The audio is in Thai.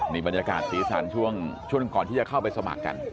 นี่บรรยากาศสีสันช่วงก่อนที่จะเข้าไปสมัครกัน